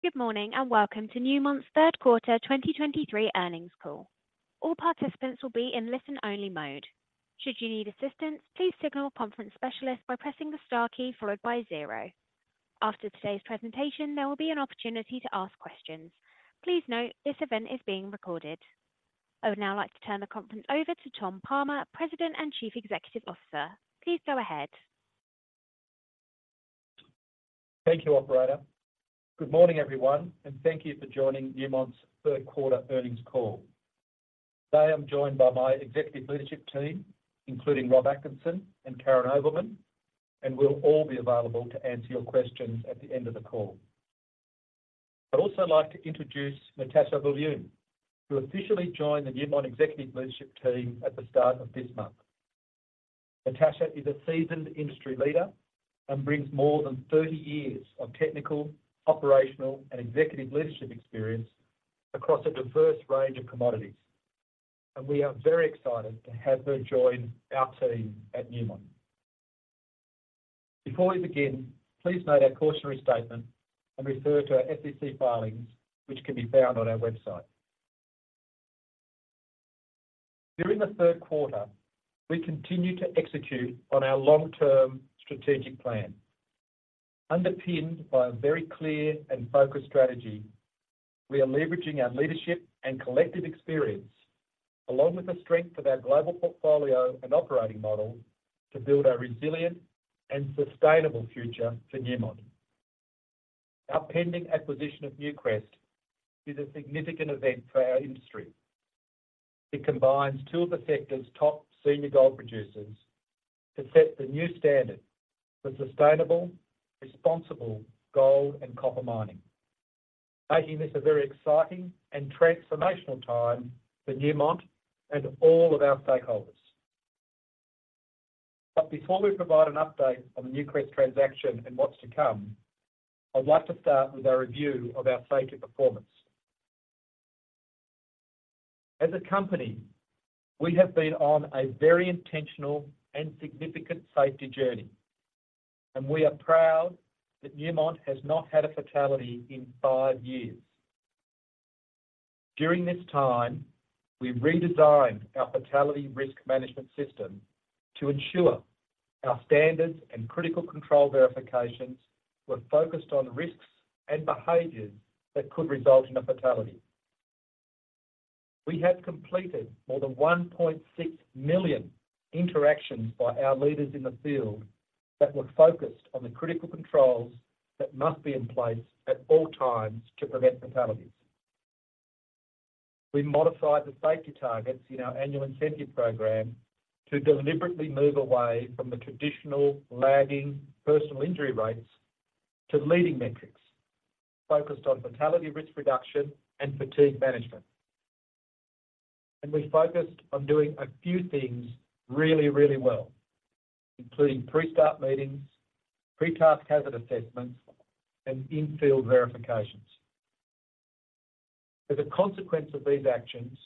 Good morning, and welcome to Newmont's third quarter 2023 earnings call. All participants will be in listen-only mode. Should you need assistance, please signal a conference specialist by pressing the star key followed by zero. After today's presentation, there will be an opportunity to ask questions. Please note, this event is being recorded. I would now like to turn the conference over to Tom Palmer, President and Chief Executive Officer. Please go ahead. Thank you, operator. Good morning, everyone, and thank you for joining Newmont's third quarter earnings call. Today, I'm joined by my executive leadership team, including Rob Atkinson and Karyn Ovelmen, and we'll all be available to answer your questions at the end of the call. I'd also like to introduce Natascha Viljoen, who officially joined the Newmont executive leadership team at the start of this month. Natascha is a seasoned industry leader and brings more than thirty years of technical, operational, and executive leadership experience across a diverse range of commodities, and we are very excited to have her join our team at Newmont. Before we begin, please note our cautionary statement and refer to our SEC filings, which can be found on our website. During the third quarter, we continued to execute on our long-term strategic plan. Underpinned by a very clear and focused strategy, we are leveraging our leadership and collective experience, along with the strength of our global portfolio and operating model, to build a resilient and sustainable future for Newmont. Our pending acquisition of Newcrest is a significant event for our industry. It combines two of the sector's top senior gold producers to set the new standard for sustainable, responsible gold and copper mining, making this a very exciting and transformational time for Newmont and all of our stakeholders. But before we provide an update on the Newcrest transaction and what's to come, I'd like to start with a review of our safety performance. As a company, we have been on a very intentional and significant safety journey, and we are proud that Newmont has not had a fatality in five years. During this time, we redesigned our fatality risk management system to ensure our standards and critical control verifications were focused on risks and behaviors that could result in a fatality. We have completed more than 1.6 million interactions by our leaders in the field that were focused on the critical controls that must be in place at all times to prevent fatalities. We modified the safety targets in our annual incentive program to deliberately move away from the traditional lagging personal injury rates to leading metrics focused on fatality risk reduction and fatigue management. And we focused on doing a few things really, really well, including pre-start meetings, pre-task hazard assessments, and in-field verifications. As a consequence of these actions,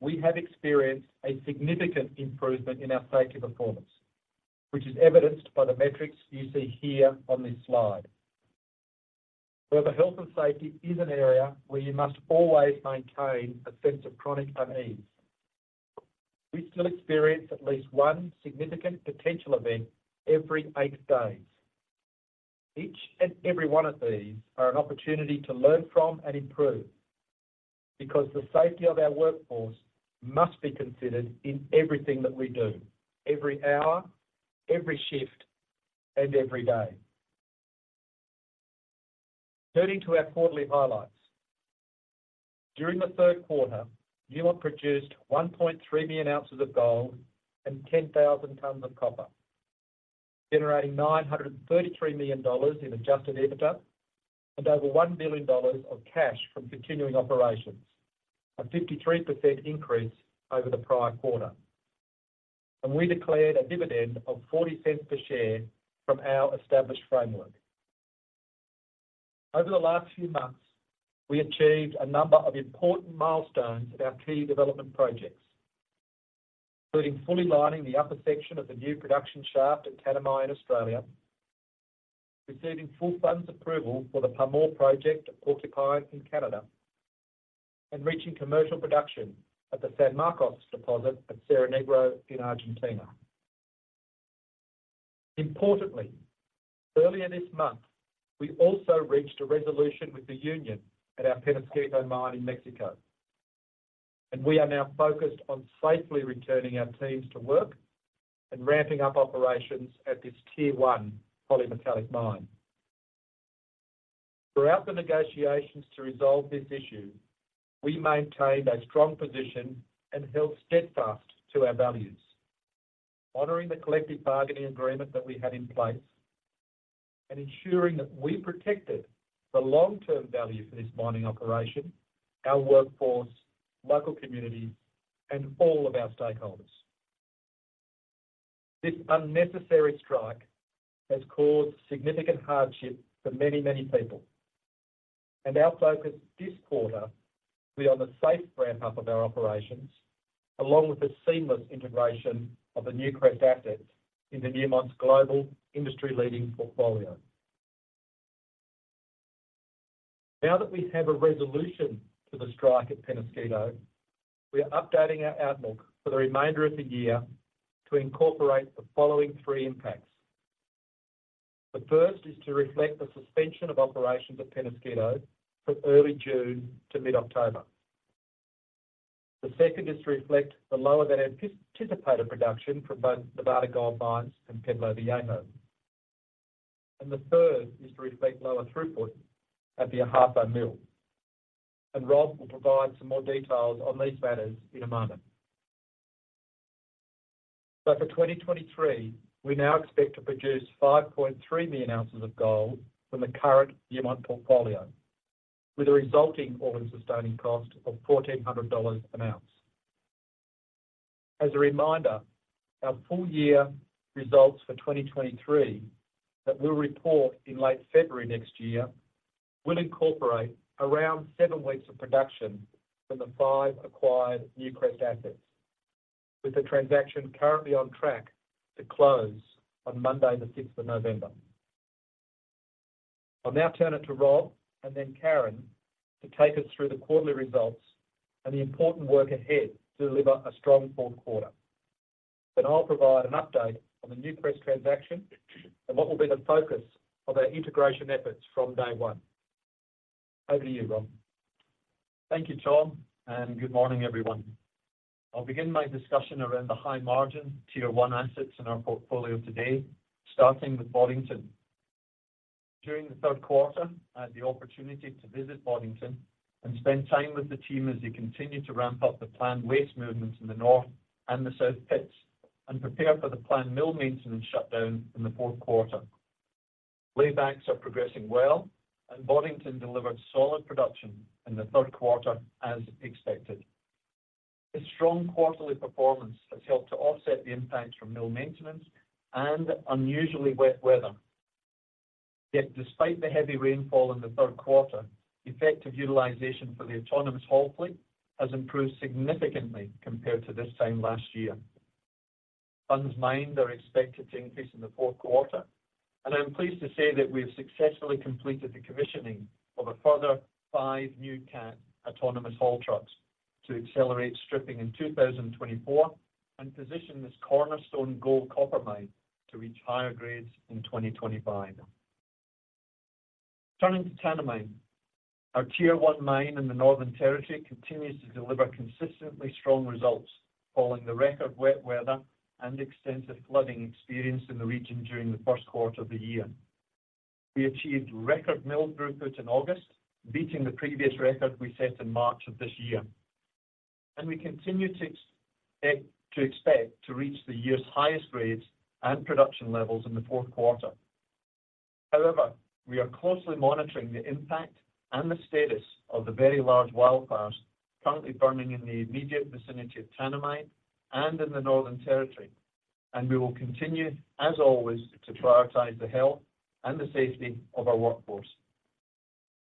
we have experienced a significant improvement in our safety performance, which is evidenced by the metrics you see here on this slide. However, health and safety is an area where you must always maintain a sense of chronic unease. We still experience at least one significant potential event every eight days. Each and every one of these are an opportunity to learn from and improve, because the safety of our workforce must be considered in everything that we do, every hour, every shift, and every day. Turning to our quarterly highlights. During the third quarter, Newmont produced 1.3 million ounces of gold and 10,000 tons of copper, generating $933 million in Adjusted EBITDA and over $1 billion of cash from continuing operations, a 53% increase over the prior quarter. We declared a dividend of $0.40 per share from our established framework. Over the last few months, we achieved a number of important milestones at our key development projects, including fully lining the upper section of the new production shaft at Tanami in Australia, receiving full funds approval for the Pamour project at Porcupine in Canada, and reaching commercial production at the San Marcos deposit at Cerro Negro in Argentina. Importantly, earlier this month, we also reached a resolution with the union at our Peñasquito mine in Mexico, and we are now focused on safely returning our teams to work and ramping up operations at this tier 1 polymetallic mine. Throughout the negotiations to resolve this issue, we maintained a strong position and held steadfast to our values, honoring the collective bargaining agreement that we had in place and ensuring that we protected the long-term value for this mining operation, our workforce, local communities, and all of our stakeholders. This unnecessary strike has caused significant hardship for many, many people, and our focus this quarter. We are on the safe ramp-up of our operations, along with the seamless integration of the Newcrest assets into Newmont's global industry-leading portfolio. Now that we have a resolution to the strike at Peñasquito, we are updating our outlook for the remainder of the year to incorporate the following three impacts. The first is to reflect the suspension of operations at Peñasquito from early June to mid-October. The second is to reflect the lower-than-anticipated production from both Nevada Gold Mines and Peñasquito. And the third is to reflect lower throughput at the Ahafo Mill. And Rob will provide some more details on these matters in a moment. So for 2023, we now expect to produce 5.3 million ounces of gold from the current Newmont portfolio, with a resulting all-in sustaining cost of $1,400 an ounce. As a reminder, our full year results for 2023, that we'll report in late February next year, will incorporate around 7 weeks of production from the 5 acquired Newcrest assets, with the transaction currently on track to close on Monday, the 6th of November. I'll now turn it to Rob and then Karyn to take us through the quarterly results and the important work ahead to deliver a strong fourth quarter. Then I'll provide an update on the Newcrest transaction and what will be the focus of our integration efforts from day one. Over to you, Rob. Thank you, Tom, and good morning, everyone. I'll begin my discussion around the high-margin Tier 1 assets in our portfolio today, starting with Boddington. During the third quarter, I had the opportunity to visit Boddington and spend time with the team as they continued to ramp up the planned waste movements in the north and the south pits and prepare for the planned mill maintenance shutdown in the fourth quarter. Laybacks are progressing well, and Boddington delivered solid production in the third quarter, as expected. The strong quarterly performance has helped to offset the impact from mill maintenance and unusually wet weather. Yet despite the heavy rainfall in the third quarter, effective utilization for the autonomous haul fleet has improved significantly compared to this time last year. Tons mined are expected to increase in the fourth quarter, and I'm pleased to say that we have successfully completed the commissioning of a further 5 new Cat autonomous haul trucks to accelerate stripping in 2024 and position this cornerstone gold-copper mine to reach higher grades in 2025. Turning to Tanami, our Tier 1 mine in the Northern Territory continues to deliver consistently strong results, following the record wet weather and extensive flooding experienced in the region during the first quarter of the year. We achieved record mill throughput in August, beating the previous record we set in March of this year, and we continue to expect to reach the year's highest grades and production levels in the fourth quarter. However, we are closely monitoring the impact and the status of the very large wildfires currently burning in the immediate vicinity of Tanami and in the Northern Territory, and we will continue, as always, to prioritize the health and the safety of our workforce.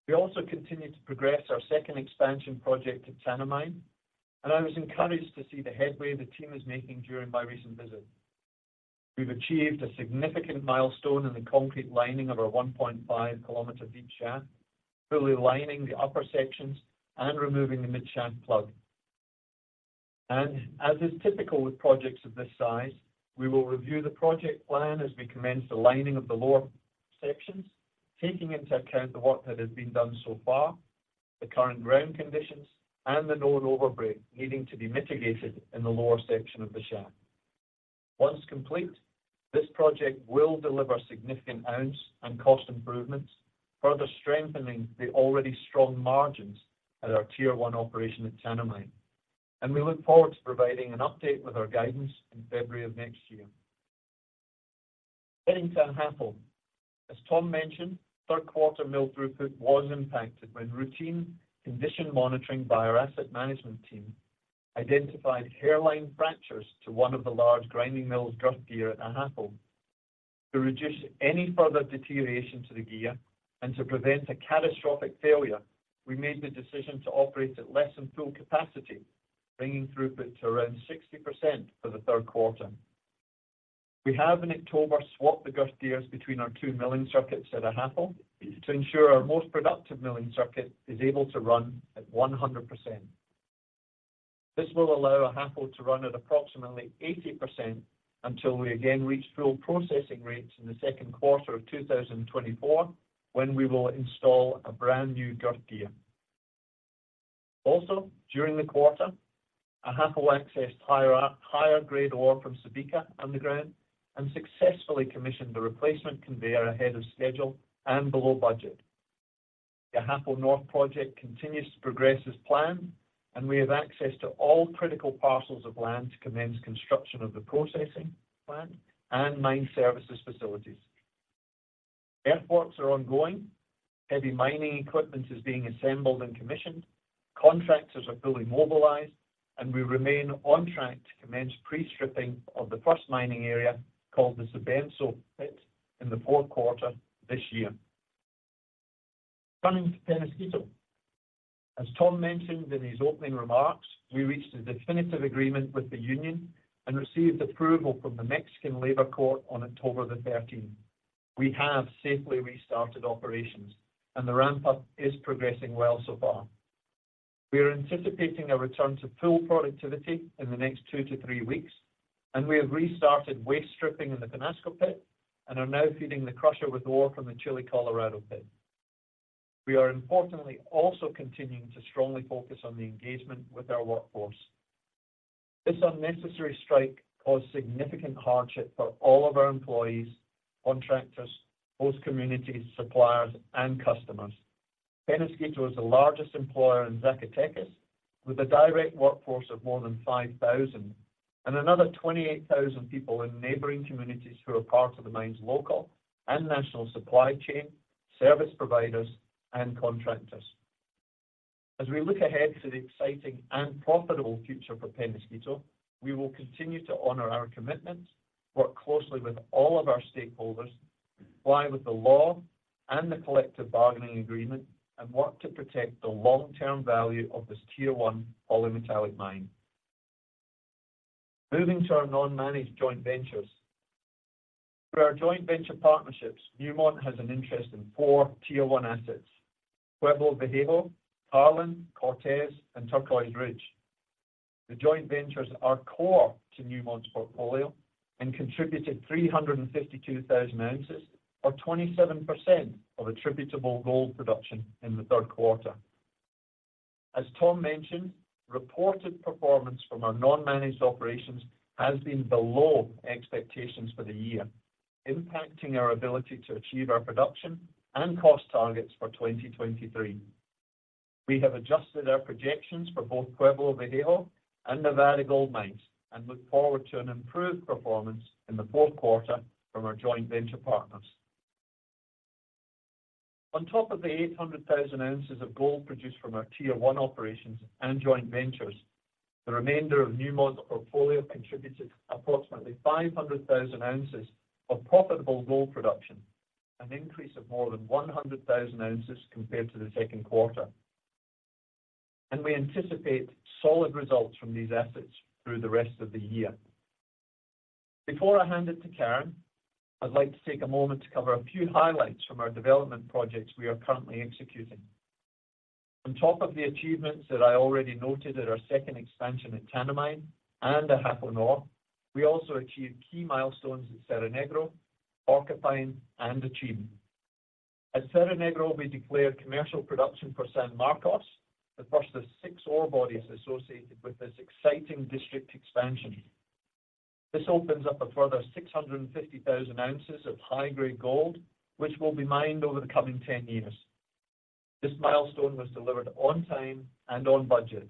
We also continue to progress our second expansion project at Tanami, and I was encouraged to see the headway the team is making during my recent visit. We've achieved a significant milestone in the concrete lining of our 1.5-kilometer deep shaft, fully lining the upper sections and removing the mid-shaft plug. As is typical with projects of this size, we will review the project plan as we commence the lining of the lower sections, taking into account the work that has been done so far, the current ground conditions, and the known overbreak needing to be mitigated in the lower section of the shaft. Once complete, this project will deliver significant ounce and cost improvements, further strengthening the already strong margins at our Tier 1 operation at Tanami, and we look forward to providing an update with our guidance in February of next year. Heading to Ahafo. As Tom mentioned, third quarter mill throughput was impacted when routine condition monitoring by our asset management team identified hairline fractures to one of the large grinding mill's gear at Ahafo. To reduce any further deterioration to the gear and to prevent a catastrophic failure, we made the decision to operate at less than full capacity, bringing throughput to around 60% for the third quarter. We have in October swapped the gear between our two milling circuits at Ahafo to ensure our most productive milling circuit is able to run at 100%. This will allow Ahafo to run at approximately 80% until we again reach full processing rates in the second quarter of 2024, when we will install a brand-new gear. Also, during the quarter, Ahafo accessed higher-grade ore from Subika underground and successfully commissioned the replacement conveyor ahead of schedule and below budget. The Ahafo North project continues to progress as planned, and we have access to all critical parcels of land to commence construction of the processing plant and mine services facilities. Earthworks are ongoing. Heavy mining equipment is being assembled and commissioned. Contractors are fully mobilized, and we remain on track to commence pre-stripping of the first mining area, called the Subika pit, in the fourth quarter this year. Coming to Peñasquito. As Tom mentioned in his opening remarks, we reached a definitive agreement with the union and received approval from the Mexican Labor Court on October the thirteenth. We have safely restarted operations, and the ramp-up is progressing well so far. We are anticipating a return to full productivity in the next two to three weeks, and we have restarted waste stripping in the Peñasquito pit and are now feeding the crusher with ore from the Chile Colorado pit. We are importantly also continuing to strongly focus on the engagement with our workforce. This unnecessary strike caused significant hardship for all of our employees, contractors, host communities, suppliers, and customers. Peñasquito is the largest employer in Zacatecas, with a direct workforce of more than 5,000 and another 28,000 people in neighboring communities who are part of the mine's local and national supply chain, service providers, and contractors. As we look ahead to the exciting and profitable future for Peñasquito, we will continue to honor our commitments, work closely with all of our stakeholders, comply with the law and the collective bargaining agreement, and work to protect the long-term value of this Tier 1 polymetallic mine. Moving to our non-managed joint ventures. Through our joint venture partnerships, Newmont has an interest in four Tier 1 assets: Pueblo Viejo, Carlin, Cortez, and Turquoise Ridge. The joint ventures are core to Newmont's portfolio and contributed 352,000 ounces, or 27%, of attributable gold production in the third quarter. As Tom mentioned, reported performance from our non-managed operations has been below expectations for the year, impacting our ability to achieve our production and cost targets for 2023. We have adjusted our projections for both Pueblo Viejo and Nevada Gold Mines and look forward to an improved performance in the fourth quarter from our joint venture partners. On top of the 800,000 ounces of gold produced from our Tier 1 operations and joint ventures, the remainder of Newmont's portfolio contributed approximately 500,000 ounces of profitable gold production, an increase of more than 100,000 ounces compared to the second quarter. We anticipate solid results from these assets through the rest of the year. Before I hand it to Karyn, I'd like to take a moment to cover a few highlights from our development projects we are currently executing. On top of the achievements that I already noted at our second expansion at Tanami and Ahafo North, we also achieved key milestones at Cerro Negro, Porcupine, and Akyem. At Cerro Negro, we declared commercial production for San Marcos, the first of six ore bodies associated with this exciting district expansion. This opens up a further 650,000 ounces of high-grade gold, which will be mined over the coming 10 years. This milestone was delivered on time and on budget,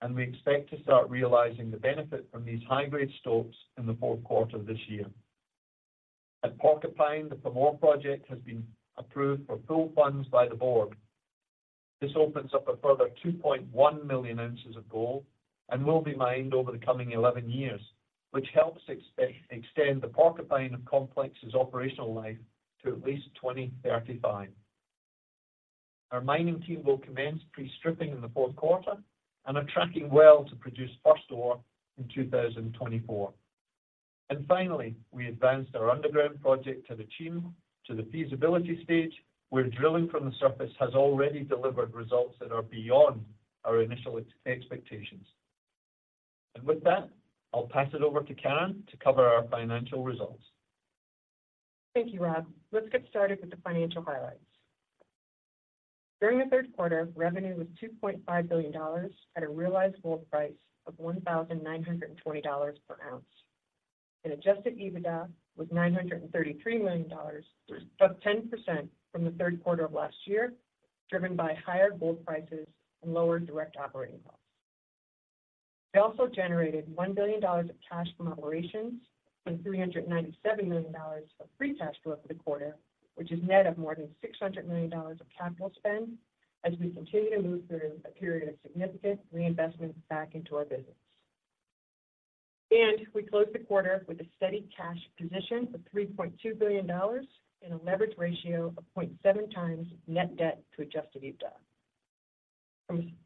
and we expect to start realizing the benefit from these high-grade stocks in the fourth quarter of this year. At Porcupine, the Pamour project has been approved for full funds by the board. This opens up a further 2.1 million ounces of gold and will be mined over the coming 11 years, which helps extend the Porcupine complex's operational life to at least 2035. Our mining team will commence pre-stripping in the fourth quarter and are tracking well to produce first ore in 2024. And finally, we advanced our underground project to the Pamour, to the feasibility stage, where drilling from the surface has already delivered results that are beyond our initial expectations. And with that, I'll pass it over to Karyn to cover our financial results. Thank you, Rob. Let's get started with the financial highlights. During the third quarter, revenue was $2.5 billion at a realized gold price of $1,920 per ounce, and adjusted EBITDA was $933 million, up 10% from the third quarter of last year, driven by higher gold prices and lower direct operating costs. We also generated $1 billion of cash from operations and $397 million of free cash flow for the quarter, which is net of more than $600 million of capital spend as we continue to move through a period of significant reinvestment back into our business. We closed the quarter with a steady cash position of $3.2 billion and a leverage ratio of 0.7 times net debt to adjusted EBITDA.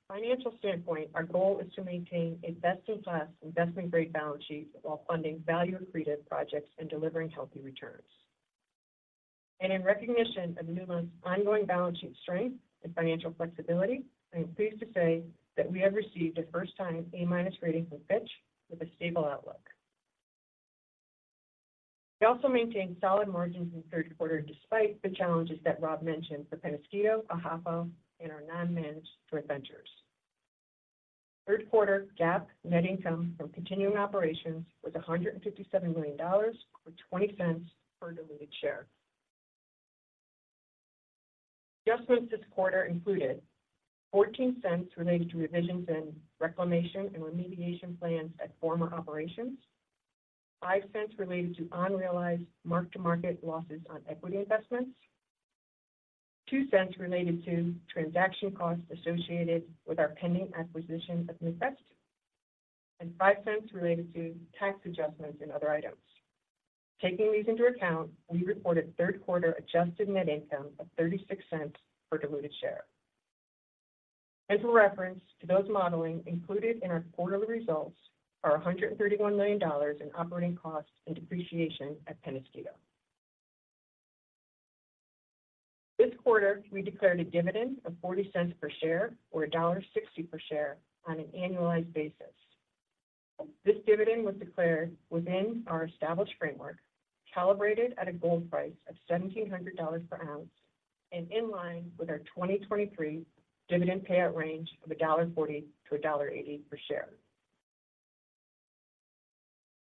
From a financial standpoint, our goal is to maintain a best-in-class, investment-grade balance sheet while funding value-accretive projects and delivering healthy returns. In recognition of Newmont's ongoing balance sheet strength and financial flexibility, I am pleased to say that we have received a first-time A-minus rating from Fitch with a stable outlook. We also maintained solid margins in the third quarter, despite the challenges that Rob mentioned for Peñasquito, Ahafo, and our non-managed joint ventures. Third quarter GAAP net income from continuing operations was $157 million, or $0.20 per diluted share. Adjustments this quarter included $0.14 related to revisions in reclamation and remediation plans at former operations, $0.05 related to unrealized mark-to-market losses on equity investments, $0.02 related to transaction costs associated with our pending acquisition of Newcrest, and $0.05 related to tax adjustments and other items. Taking these into account, we reported third quarter adjusted net income of $0.36 per diluted share. As a reference to those modeling included in our quarterly results are $131 million in operating costs and depreciation at Peñasquito. This quarter, we declared a dividend of $0.40 per share or $1.60 per share on an annualized basis. This dividend was declared within our established framework, calibrated at a gold price of $1,700 per ounce and in line with our 2023 dividend payout range of $1.40-$1.80 per share.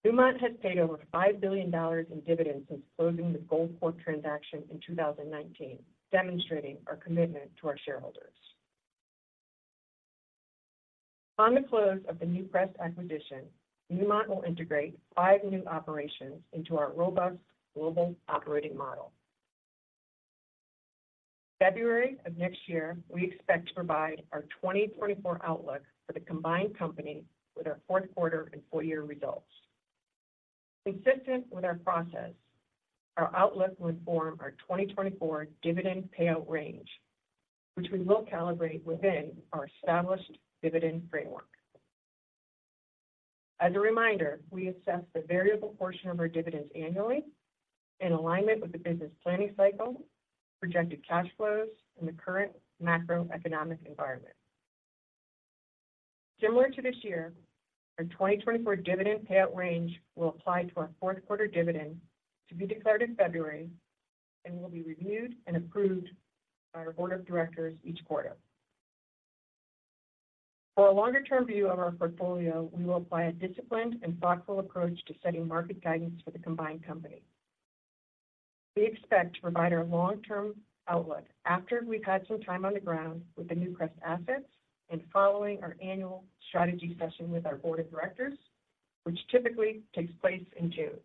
Newmont has paid over $5 billion in dividends since closing the Goldcorp transaction in 2019, demonstrating our commitment to our shareholders. On the close of the Newcrest acquisition, Newmont will integrate five new operations into our robust global operating model. February of next year, we expect to provide our 2024 outlook for the combined company with our fourth quarter and full year results. Consistent with our process, our outlook will inform our 2024 dividend payout range, which we will calibrate within our established dividend framework. As a reminder, we assess the variable portion of our dividends annually in alignment with the business planning cycle, projected cash flows, and the current macroeconomic environment. Similar to this year, our 2024 dividend payout range will apply to our fourth quarter dividend to be declared in February and will be reviewed and approved by our board of directors each quarter. For a longer-term view of our portfolio, we will apply a disciplined and thoughtful approach to setting market guidance for the combined company. We expect to provide our long-term outlook after we've had some time on the ground with the Newcrest assets and following our annual strategy session with our board of directors, which typically takes place in June.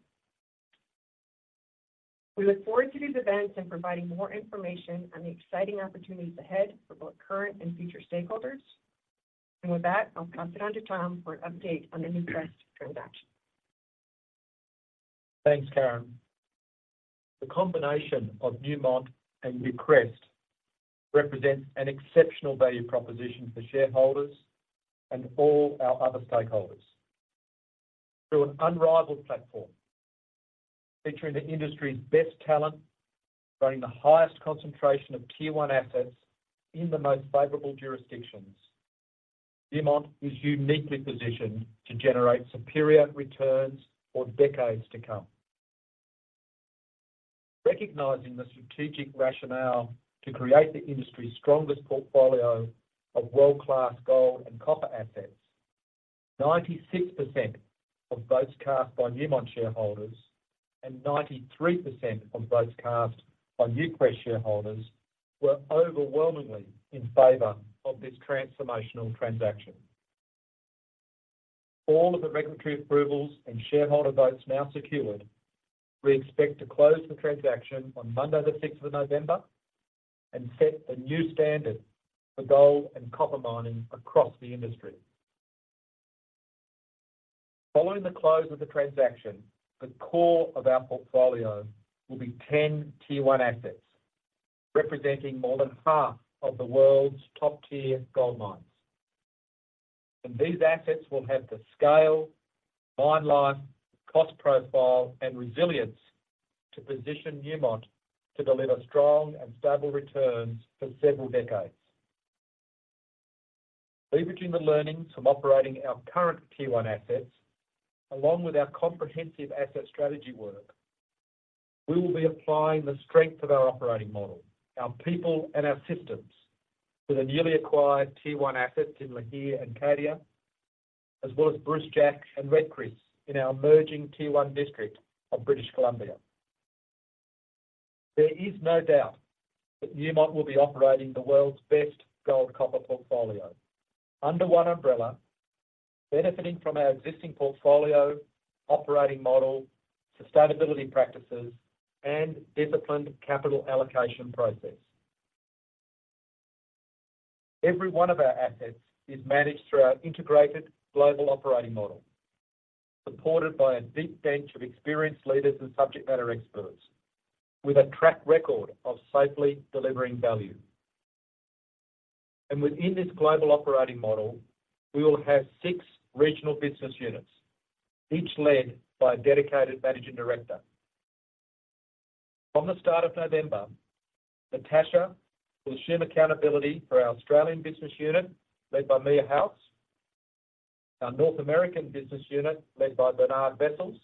We look forward to these events and providing more information on the exciting opportunities ahead for both current and future stakeholders. With that, I'll pass it on to Tom for an update on the Newcrest transaction. Thanks, Karyn. The combination of Newmont and Newcrest represents an exceptional value proposition for shareholders and all our other stakeholders. Through an unrivaled platform featuring the industry's best talent, throwing the highest concentration of Tier 1 assets in the most favorable jurisdictions, Newmont is uniquely positioned to generate superior returns for decades to come. Recognizing the strategic rationale to create the industry's strongest portfolio of world-class gold and copper assets, 96% of votes cast by Newmont shareholders and 93% of votes cast by Newcrest shareholders were overwhelmingly in favor of this transformational transaction. All of the regulatory approvals and shareholder votes now secured, we expect to close the transaction on Monday, the sixth of November, and set the new standard for gold and copper mining across the industry. Following the close of the transaction, the core of our portfolio will be 10 Tier 1 assets, representing more than half of the world's top-tier gold mines. These assets will have the scale, mine life, cost profile, and resilience to position Newmont to deliver strong and stable returns for several decades. Leveraging the learnings from operating our current Tier 1 assets, along with our comprehensive asset strategy work, we will be applying the strength of our operating model, our people, and our systems to the newly acquired Tier 1 assets in Lihir and Cadia, as well as Brucejack and Red Chris in our emerging Tier 1 district of British Columbia. There is no doubt that Newmont will be operating the world's best gold-copper portfolio under one umbrella, benefiting from our existing portfolio, operating model, sustainability practices, and disciplined capital allocation process. Every one of our assets is managed through our integrated global operating model, supported by a deep bench of experienced leaders and subject matter experts with a track record of safely delivering value. Within this global operating model, we will have six regional business units, each led by a dedicated managing director. From the start of November, Natascha will assume accountability for our Australian business unit, led by Mia Gous, our North American business unit, led by Bernard Wessels,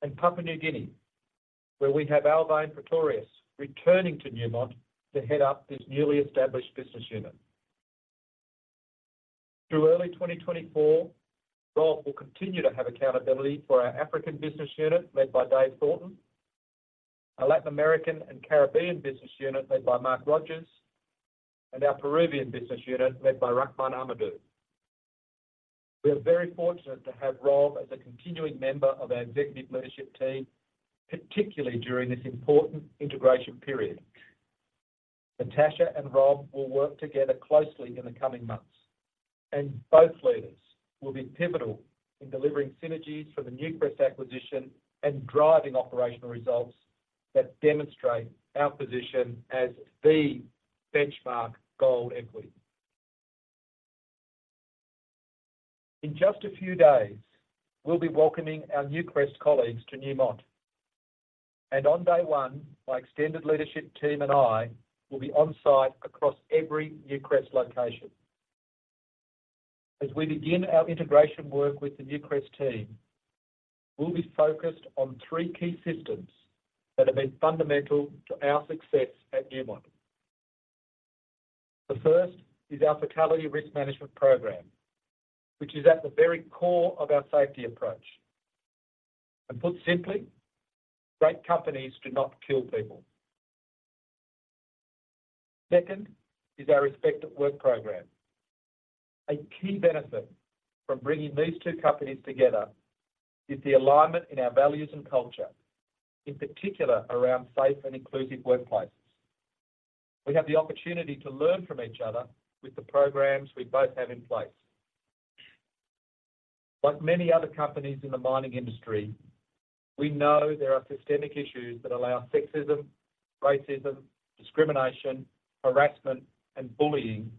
and Papua New Guinea, where we have Alwyn Pretorius, returning to Newmont to head up this newly established business unit. Through early 2024, Rob will continue to have accountability for our African business unit, led by Dave Thornton, our Latin American and Caribbean business unit, led by Mark Rogers, and our Peruvian business unit, led by Rahman Ahmadi. We are very fortunate to have Rob as a continuing member of our executive leadership team, particularly during this important integration period. Natascha and Rob will work together closely in the coming months, and both leaders will be pivotal in delivering synergies for the Newcrest acquisition and driving operational results that demonstrate our position as the benchmark gold equity. In just a few days, we'll be welcoming our Newcrest colleagues to Newmont, and on day one, my extended leadership team and I will be on site across every Newcrest location. As we begin our integration work with the Newcrest team, we'll be focused on three key systems that have been fundamental to our success at Newmont. The first is our Fatality Risk Management program, which is at the very core of our safety approach. Put simply, great companies do not kill people. Second is our Respect at Work program. A key benefit from bringing these two companies together is the alignment in our values and culture, in particular around safe and inclusive workplaces. We have the opportunity to learn from each other with the programs we both have in place. Like many other companies in the mining industry, we know there are systemic issues that allow sexism, racism, discrimination, harassment, and bullying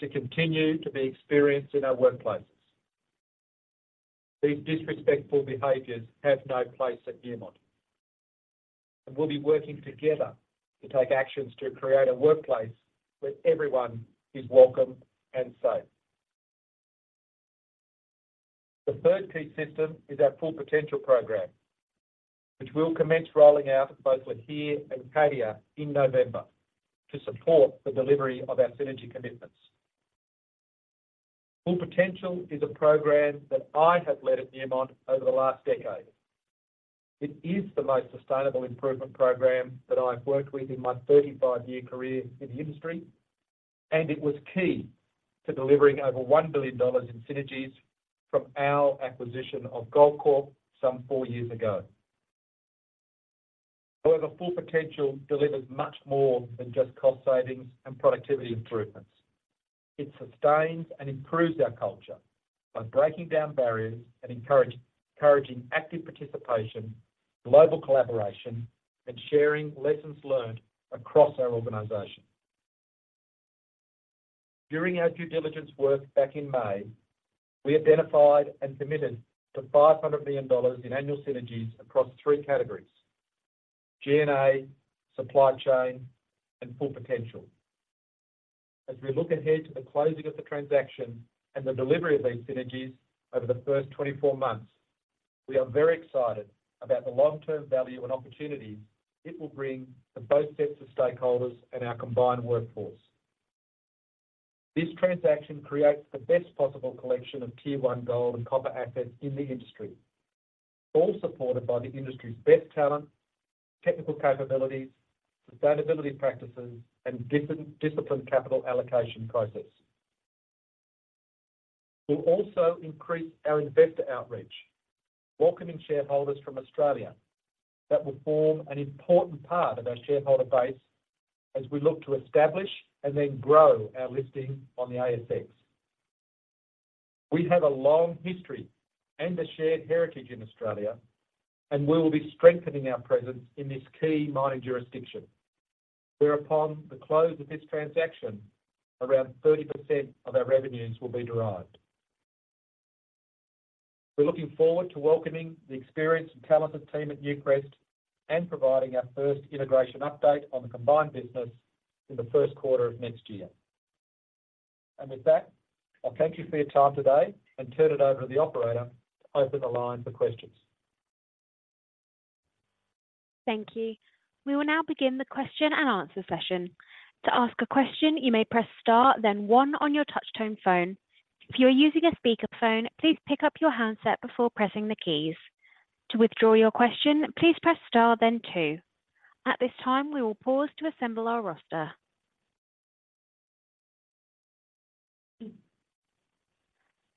to continue to be experienced in our workplaces. These disrespectful behaviors have no place at Newmont, and we'll be working together to take actions to create a workplace where everyone is welcome and safe. The third key system is our Full Potential program, which we'll commence rolling out at both Lihir and Cadia in November to support the delivery of our synergy commitments. Full Potential is a program that I have led at Newmont over the last decade. It is the most sustainable improvement program that I've worked with in my 35-year career in the industry, and it was key to delivering over $1 billion in synergies from our acquisition of Goldcorp some 4 years ago. However, Full Potential delivers much more than just cost savings and productivity improvements. It sustains and improves our culture by breaking down barriers and encouraging active participation, global collaboration, and sharing lessons learned across our organization. During our due diligence work back in May, we identified and committed to $500 million in annual synergies across three categories: G&A, supply chain, and Full Potential. As we look ahead to the closing of the transaction and the delivery of these synergies over the first 24 months, we are very excited about the long-term value and opportunities it will bring to both sets of stakeholders and our combined workforce. This transaction creates the best possible collection of Tier 1 gold and copper assets in the industry, all supported by the industry's best talent, technical capabilities, sustainability practices, and discipline capital allocation process. We'll also increase our investor outreach, welcoming shareholders from Australia that will form an important part of our shareholder base as we look to establish and then grow our listing on the ASX. We have a long history and a shared heritage in Australia, and we will be strengthening our presence in this key mining jurisdiction, whereupon the close of this transaction, around 30% of our revenues will be derived. We're looking forward to welcoming the experienced and talented team at Newcrest and providing our first integration update on the combined business in the first quarter of next year. With that, I thank you for your time today and turn it over to the operator to open the line for questions. Thank you. We will now begin the question-and-answer session. To ask a question, you may press star then one on your touchtone phone. If you are using a speakerphone, please pick up your handset before pressing the keys. To withdraw your question, please press star then two. At this time, we will pause to assemble our roster.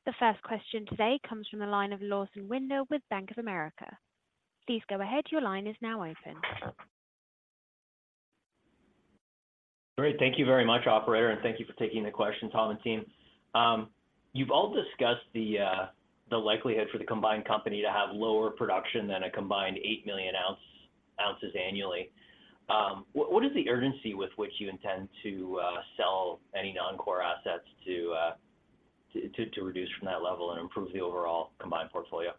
The first question today comes from the line of Lawson Winder with Bank of America. Please go ahead. Your line is now open. Great. Thank you very much, operator, and thank you for taking the question, Tom and team. You've all discussed the likelihood for the combined company to have lower production than a combined 8 million ounces annually. What is the urgency with which you intend to sell any non-core assets to reduce from that level and improve the overall combined portfolio?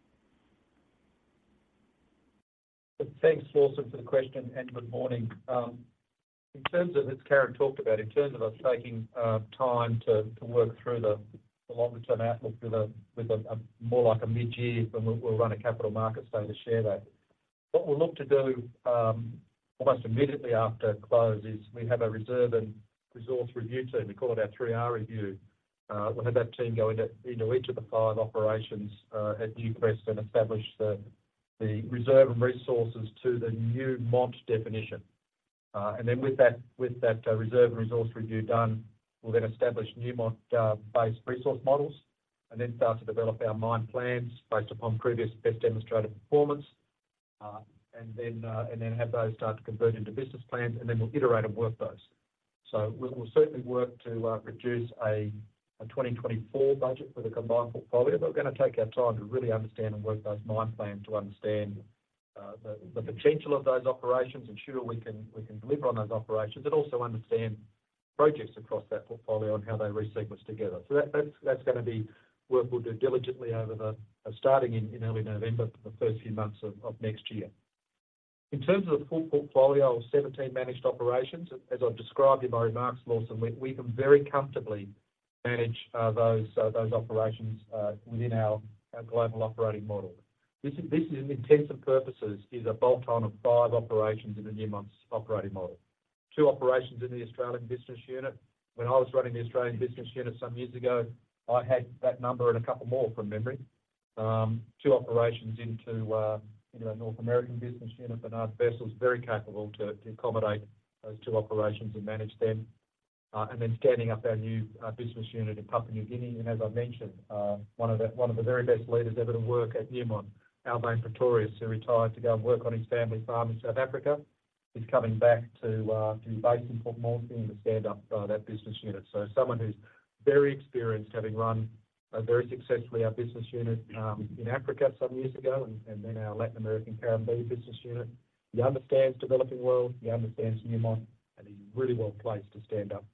Thanks, Lawson, for the question, and good morning. In terms of, as Karyn talked about, in terms of us taking time to work through the longer-term outlook with a more like a mid-year when we'll run a capital markets day to share that. What we'll look to do almost immediately after close is we have a reserve and resource review team. We call it our three R review. We'll have that team go into each of the five operations at Newcrest and establish the reserve and resources to the Newmont definition. And then with that reserve and resource review done, we'll then establish Newmont base resource models, and then start to develop our mine plans based upon previous best demonstrated performance. And then, and then have those start to convert into business plans, and then we'll iterate and work those. So we, we'll certainly work to produce a 2024 budget for the combined full portfolio, but we're gonna take our time to really understand and work those mine plans to understand the potential of those operations, ensure we can, we can deliver on those operations, but also understand projects across that portfolio and how they resequence together. So that, that's, that's gonna be work we'll do diligently over the starting in early November, for the first few months of next year. In terms of the full portfolio of 17 managed operations, as I've described in my remarks, Lawson, we, we can very comfortably manage those, those operations within our global operating model. This is for all intents and purposes a bolt-on of five operations in Newmont's operating model. Two operations in the Australian business unit. When I was running the Australian business unit some years ago, I had that number and a couple more from memory. Two operations into our North American business unit, Bernard Wessels is very capable to accommodate those two operations and manage them. And then standing up our new business unit in Papua New Guinea, and as I mentioned, one of the very best leaders ever to work at Newmont, Alwyn Pretorius, who retired to go and work on his family farm in South Africa, is coming back to be based in Port Moresby and stand up that business unit. So someone who's very experienced, having run very successfully our business unit in Africa some years ago, and then our Latin American Caribbean business unit. He understands developing world, he understands Newmont, and he's really well placed to stand up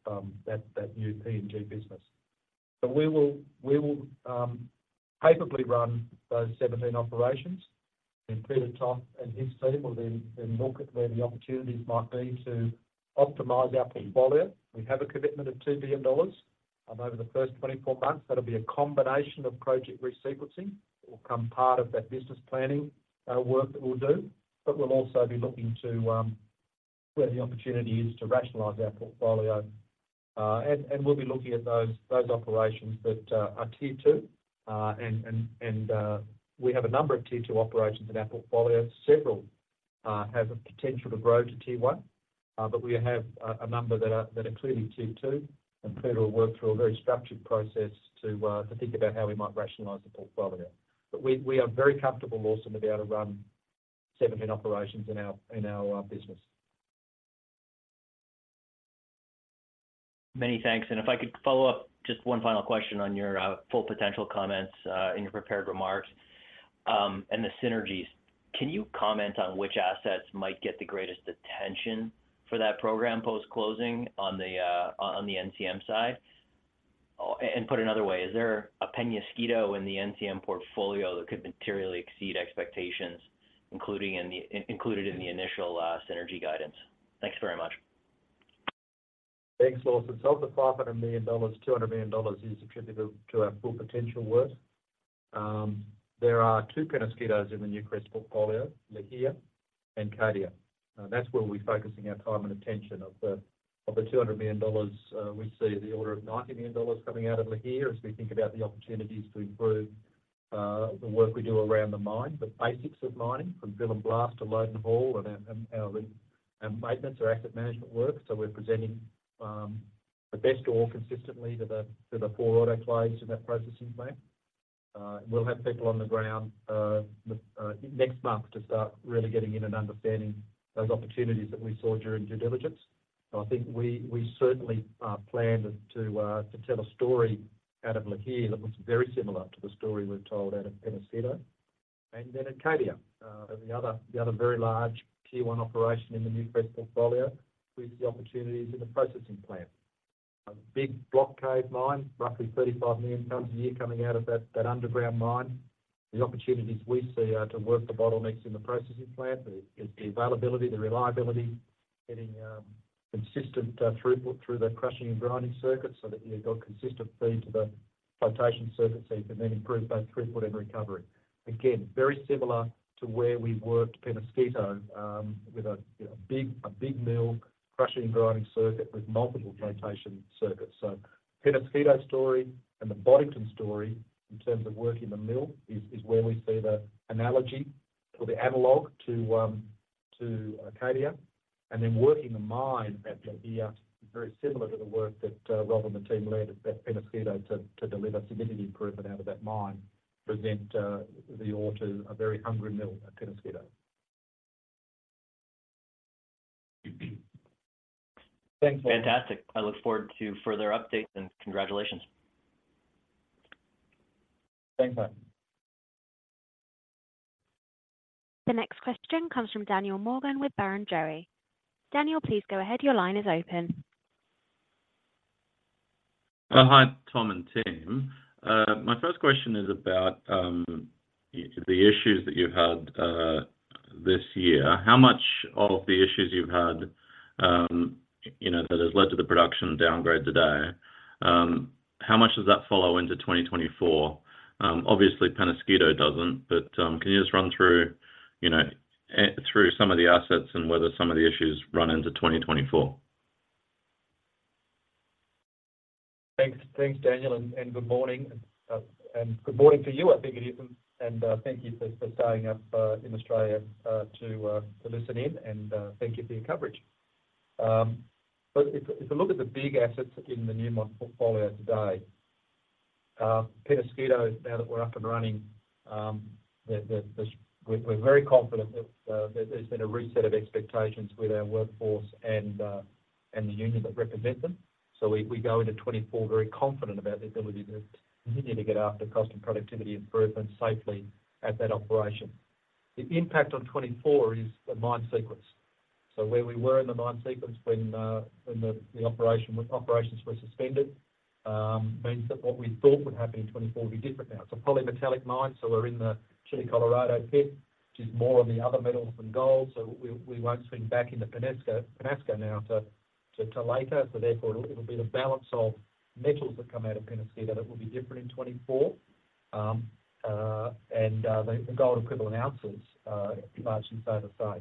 that new PNG business. So we will capably run those 17 operations. Then Peter Toth and his team will then look at where the opportunities might be to optimize our portfolio. We have a commitment of $2 billion over the first 24 months. That'll be a combination of project resequencing, or become part of that business planning work that we'll do. But we'll also be looking to where the opportunity is to rationalize our portfolio. And we'll be looking at those operations that are Tier 2. We have a number of Tier 2 operations in our portfolio. Several have a potential to grow to Tier 1, but we have a number that are clearly Tier 2, and Peter will work through a very structured process to think about how we might rationalize the portfolio. But we are very comfortable, Lawson, to be able to run 17 operations in our business. Many thanks. And if I could follow up, just one final question on your Full Potential comments in your prepared remarks, and the synergies. Can you comment on which assets might get the greatest attention for that program post-closing on the NCM side? And put another way, is there a Peñasquito in the NCM portfolio that could materially exceed expectations, including included in the initial synergy guidance? Thanks very much. Thanks, Lawson. Of the $500 million, $200 million is attributable to our Full Potential work. There are two Peñasquitos in the Newcrest portfolio, Lihir and Cadia, and that's where we'll be focusing our time and attention. Of the $200 million, we see the order of $90 million coming out of Lihir as we think about the opportunities to improve the work we do around the mine. The basics of mining, from drill and blast to load and haul, and our maintenance or asset management work. We're presenting the best ore consistently to the four autoclaves in that processing plant. We'll have people on the ground next month to start really getting in and understanding those opportunities that we saw during due diligence. So I think we, we certainly, plan to, to tell a story out of Lihir that looks very similar to the story we've told out of Peñasquito. And then at Cadia, the other, the other very large Tier 1 operation in the Newcrest portfolio, with the opportunities in the processing plant. A big block cave mine, roughly 35 million tons a year coming out of that, that underground mine. The opportunities we see are to work the bottlenecks in the processing plant. The, it's the availability, the reliability, getting, consistent, throughput through the crushing and grinding circuit so that you've got consistent feed to the flotation circuits, and then improve both throughput and recovery. Again, very similar to where we've worked Peñasquito, with a, you know, big, a big mill, crushing and grinding circuit with multiple flotation circuits. So Peñasquito story and the Boddington story, in terms of working the mill, is where we see the analogy or the analog to Cadia. And then working the mine at Lihir is very similar to the work that Rob and the team led at Peñasquito to deliver significant improvement out of that mine, present the ore to a very hungry mill at Peñasquito. Thanks. Fantastic. I look forward to further updates, and congratulations. Thanks, bye. The next question comes from Daniel Morgan with Barrenjoey. Daniel, please go ahead. Your line is open. Hi, Tom and Tim. My first question is about the issues that you've had this year. How much of the issues you've had, you know, that has led to the production downgrade today, how much does that follow into 2024? Obviously, Peñasquito doesn't, but can you just run through, you know, through some of the assets and whether some of the issues run into 2024? Thanks. Thanks, Daniel, and good morning. Good morning to you, I think it is, and thank you for staying up in Australia to listen in, and thank you for your coverage. If you look at the big assets in the Newmont portfolio today, Peñasquito, now that we're up and running, we're very confident that there's been a reset of expectations with our workforce and the union that represents them. We go into 2024 very confident about the ability to continue to get after cost and productivity improvement safely at that operation. The impact on 2024 is the mine sequence, so where we were in the mine sequence when the operations were suspended means that what we thought would happen in 2024 will be different now. It's a polymetallic mine, so we're in the Chile Colorado pit, which is more of the other metals than gold, so we won't swing back into Peñasquito now till later. So therefore, it'll be the balance of metals that come out of Peñasquito that it will be different in 2024. And the gold equivalent ounces large and so to say.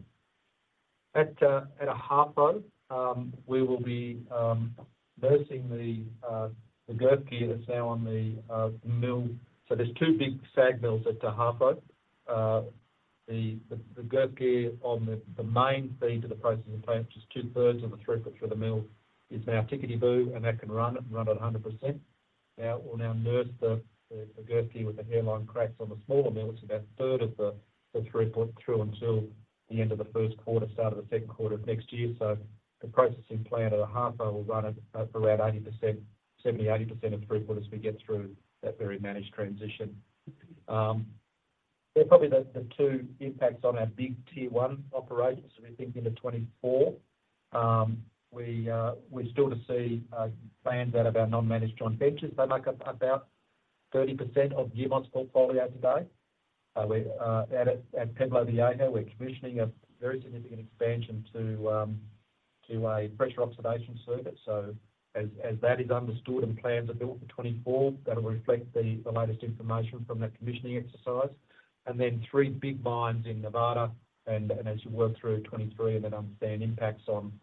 At Ahafo, we will be nursing the gear that's now on the mill. So there's two big SAG mills at the Ahafo. The gear on the main feed to the processing plant, which is two-thirds or three-quarters of the mill, is now tickety-boo, and that can run at 100%. We'll now nurse the gear with the hairline cracks on the smaller mill. It's about a third of the throughput through until the end of the first quarter, start of the second quarter of next year. The processing plant at Ahafo will run at around 80%, 70-80% of throughput as we get through that very managed transition. They're probably the two impacts on our big tier 1 operations as we think into 2024. We are still to see plans out of our non-managed joint ventures. They make up about 30% of Newmont's portfolio today. We're at Pueblo Viejo, we're commissioning a very significant expansion to a pressure oxidation service. So as that is understood and plans are built for 2024, that'll reflect the latest information from that commissioning exercise. And then three big mines in Nevada, and as you work through 2023 and then understand impacts on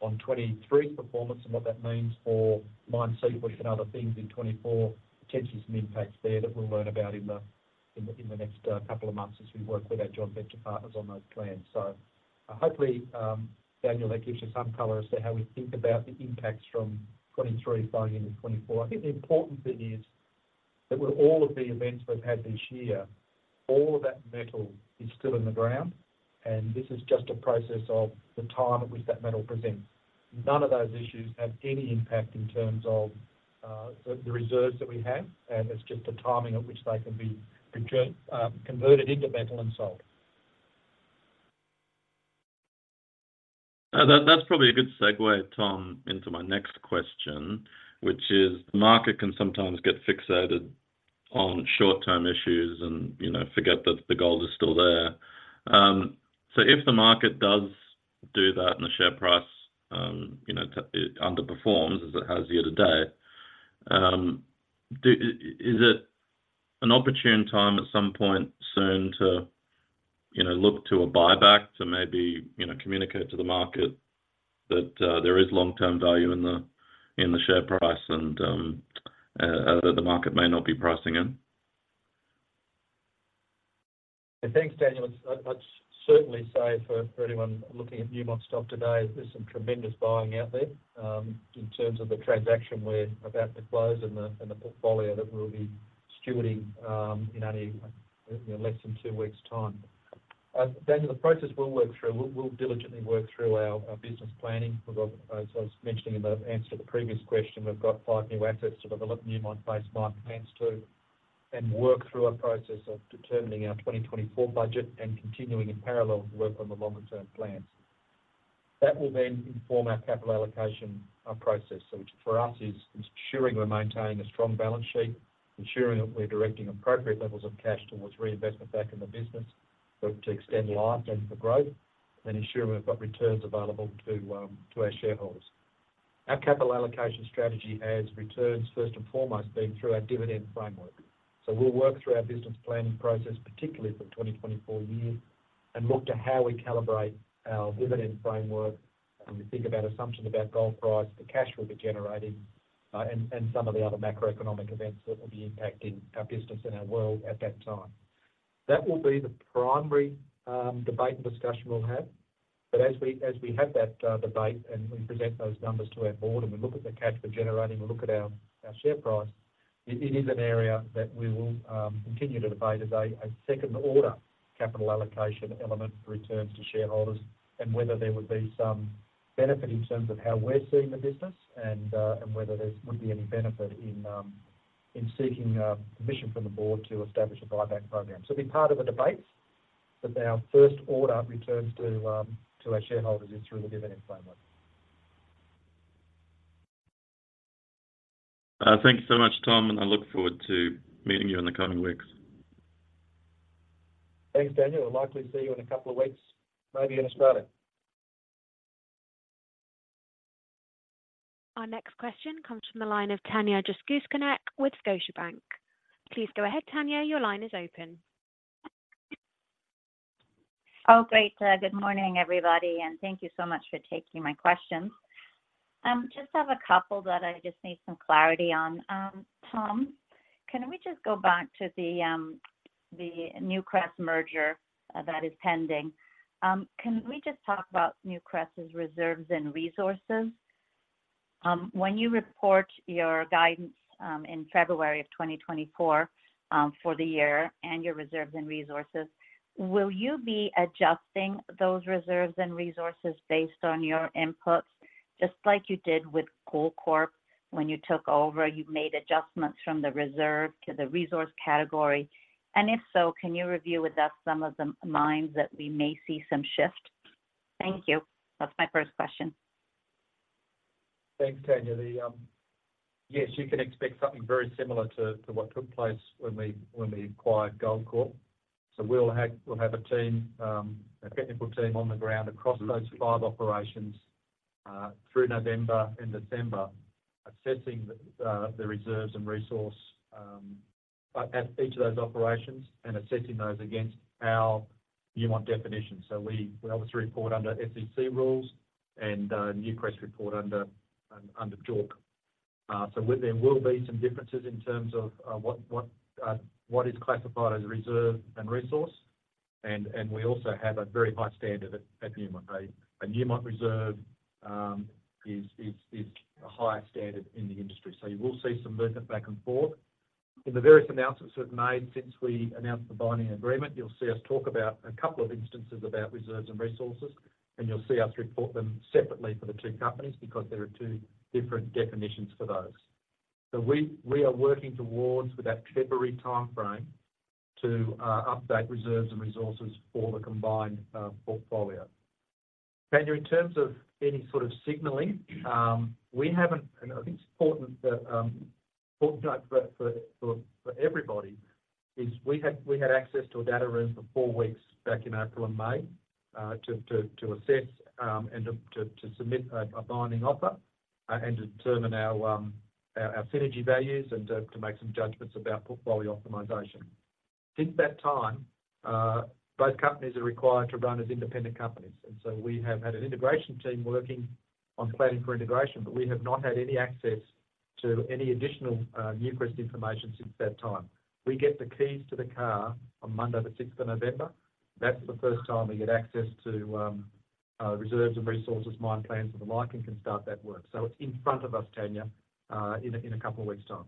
2023 performance and what that means for mine sequence and other things in 2024, potentially some impacts there that we'll learn about in the next couple of months as we work with our joint venture partners on those plans. So hopefully, Daniel, that gives you some color as to how we think about the impacts from 2023 flowing into 2024. I think the important thing is that with all of the events we've had this year, all of that metal is still in the ground, and this is just a process of the time at which that metal presents. None of those issues have any impact in terms of the reserves that we have, and it's just the timing at which they can be converted into metal and sold. That's probably a good segue, Tom, into my next question, which is: market can sometimes get fixated on short-term issues and, you know, forget that the gold is still there. If the market does do that and the share price, you know, it underperforms as it has the other day, do-- is it an opportune time at some point soon to, you know, look to a buyback to maybe, you know, communicate to the market that there is long-term value in the share price and that the market may not be pricing in? Thanks, Daniel. I'd certainly say for anyone looking at Newmont stock today, there's some tremendous buying out there in terms of the transaction we're about to close and the portfolio that we'll be stewarding in only, you know, less than two weeks' time. Daniel, the process we'll work through, we'll diligently work through our business planning. As I was mentioning in the answer to the previous question, we've got five new assets to develop Newmont base mine plans to, and work through a process of determining our 2024 budget and continuing in parallel with work on the longer-term plans. That will then inform our capital allocation process. So which for us, is ensuring we're maintaining a strong balance sheet, ensuring that we're directing appropriate levels of cash towards reinvestment back in the business, both to extend life and for growth, and ensuring we've got returns available to, to our shareholders. Our capital allocation strategy has returns first and foremost being through our dividend framework. So we'll work through our business planning process, particularly for 2024 year, and look to how we calibrate our dividend framework when we think about assumptions about gold price, the cash we'll be generating, and some of the other macroeconomic events that will be impacting our business and our world at that time. That will be the primary, debate and discussion we'll have. But as we, as we have that debate and we present those numbers to our board and we look at the cash we're generating, we look at our, our share price, it, it is an area that we will continue to debate as a, a second-order capital allocation element for returns to shareholders. And whether there would be some benefit in terms of how we're seeing the business, and, and whether there would be any benefit in, in seeking permission from the board to establish a buyback program. So it'll be part of the debates, but our first order returns to, to our shareholders is through the dividend framework. Thank you so much, Tom, and I look forward to meeting you in the coming weeks. Thanks, Daniel. We'll likely see you in a couple of weeks, maybe in Australia. Our next question comes from the line of Tanya Jakusconek with Scotiabank. Please go ahead, Tanya, your line is open.... Oh, great! Good morning, everybody, and thank you so much for taking my questions. Just have a couple that I just need some clarity on. Tom, can we just go back to the Newcrest merger that is pending? Can we just talk about Newcrest's reserves and resources? When you report your guidance in February of 2024 for the year and your reserves and resources, will you be adjusting those reserves and resources based on your inputs, just like you did with Goldcorp when you took over? You made adjustments from the reserve to the resource category. And if so, can you review with us some of the mines that we may see some shift? Thank you. That's my first question. Thanks, Tanya. Yes, you can expect something very similar to what took place when we acquired Goldcorp. So we'll have a team, a technical team on the ground across those five operations through November and December, assessing the reserves and resource at each of those operations and assessing those against our Newmont definitions. So we obviously report under SEC rules, and Newcrest report under JORC. So there will be some differences in terms of what is classified as a reserve and resource. And we also have a very high standard at Newmont. A Newmont reserve is a higher standard in the industry. So you will see some movement back and forth. In the various announcements we've made since we announced the binding agreement, you'll see us talk about a couple of instances about reserves and resources, and you'll see us report them separately for the two companies because they are two different definitions for those. So we are working towards, with that February timeframe, to update reserves and resources for the combined portfolio. Tanya, in terms of any sort of signaling, we haven't, and I think it's important that important to note for everybody, is we had access to a data room for four weeks back in April and May, to assess and to submit a binding offer, and determine our synergy values and to make some judgments about portfolio optimization. Since that time, both companies are required to run as independent companies, and so we have had an integration team working on planning for integration, but we have not had any access to any additional Newcrest information since that time. We get the keys to the car on Monday, the sixth of November. That's the first time we get access to reserves and resources, mine plans, and the like, and can start that work. So it's in front of us, Tanya, in a couple of weeks' time.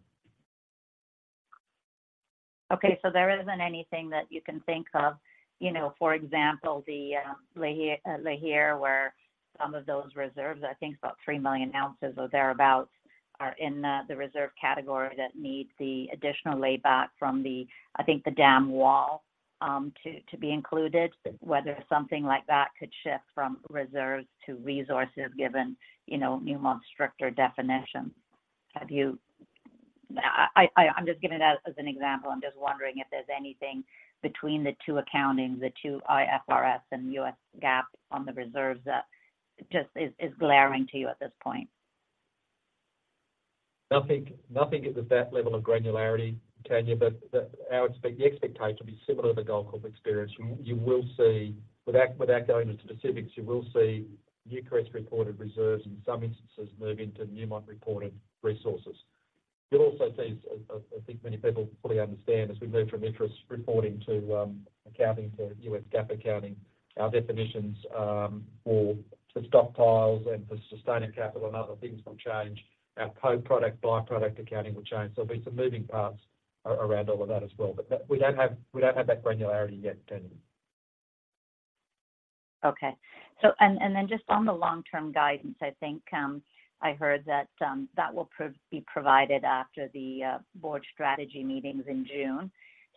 Okay, so there isn't anything that you can think of, you know, for example, the Lihir, where some of those reserves, I think about 3 million ounces or thereabout, are in the reserve category that need the additional layback from the, I think, the dam wall to be included, whether something like that could shift from reserves to resources given, you know, Newmont's stricter definition. Have you... I'm just giving it as an example, I'm just wondering if there's anything between the two accountings, the two IFRS and U.S. GAAP on the reserves, that just is glaring to you at this point. Nothing, nothing is at that level of granularity, Tanya, but our expectation will be similar to the Goldcorp experience. You will see, without going into specifics, you will see Newcrest reported reserves in some instances move into Newmont reported resources. You'll also see, as I think many people fully understand, as we move from interest reporting to accounting to U.S. GAAP accounting, our definitions for stockpiles and for sustaining capital and other things will change. Our co-product, by-product accounting will change, so there'll be some moving parts around all of that as well. We don't have that granularity yet, Tanya. Okay. So and, and then just on the long-term guidance, I think, I heard that, that will be provided after the, board strategy meetings in June.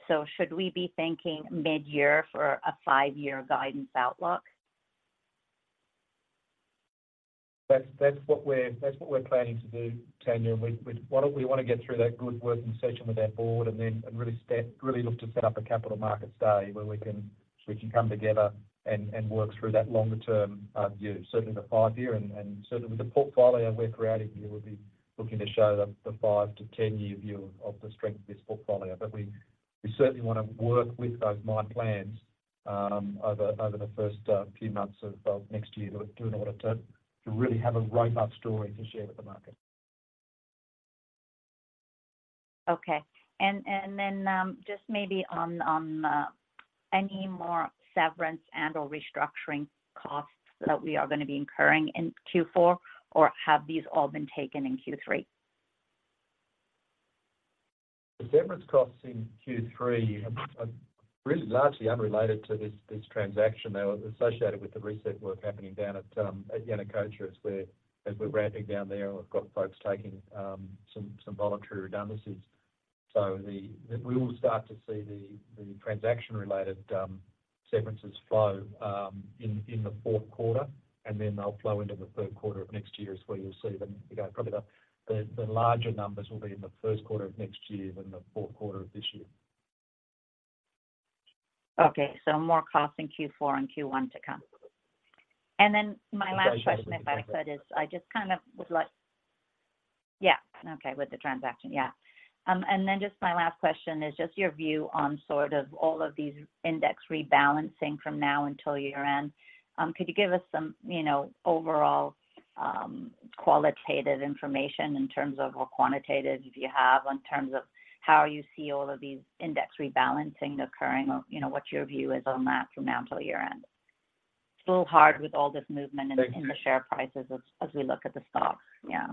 So should we be thinking mid-year for a five-year guidance outlook? That's what we're planning to do, Tanya. We wanna get through that good working session with our board and then really look to set up a capital markets day where we can come together and work through that longer-term view. Certainly the five-year and certainly with the portfolio we're creating here, we'll be looking to show the five to ten-year view of the strength of this portfolio. But we certainly want to work with those mine plans over the first few months of next year in order to really have a robust story to share with the market. Okay. And then, just maybe on any more severance and/or restructuring costs that we are going to be incurring in Q4, or have these all been taken in Q3? The severance costs in Q3 are really largely unrelated to this transaction. They were associated with the reset work happening down at Yanacocha as we're ramping down there, and we've got folks taking some voluntary redundancies. So we will start to see the transaction-related severances flow in the fourth quarter, and then they'll flow into the third quarter of next year is where you'll see them. Again, probably the larger numbers will be in the first quarter of next year than the fourth quarter of this year. Okay, more costs in Q4 and Q1 to come. My last question, if I could, is I just kind of would like—yeah. Okay, with the transaction. Just my last question is your view on sort of all of these index rebalancing from now until year-end. Could you give us some, you know, overall qualitative information in terms of, or quantitative if you have, in terms of how you see all of these index rebalancing occurring or what your view is on that from now until year-end? It's a little hard with all this movement— Thank you. in the share prices as, as we look at the stocks. Yeah.